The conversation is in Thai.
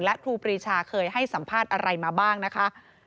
และครูปรีชาเคยให้สัมภาษณ์อะไรมาบ้างนะคะ